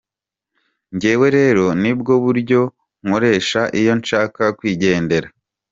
Njyewe rero nibwo buryo nkoresha iyo nshaka kwigendera.